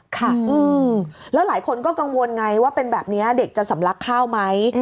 ค่ะแล้วหลายคนก็กังวลไงว่าเป็นแบบนี้เด็กจะสำลักข้าวไหม